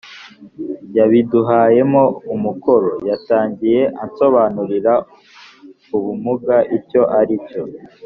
yabiduhayemo umukoro. yatangiye ansobanurira ubumuga icyo ari cyo,